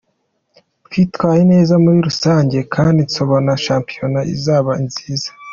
Twitwaye neza muri rusange kandi ndabona Shampiona izaba nziza.